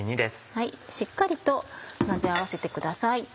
しっかりと混ぜ合わせてください。